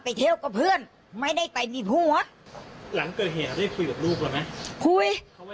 คุยเขาพูดเรื่องจริงเปล่าเลยคุยเขาพูดเรื่องจริงเปล่าเลย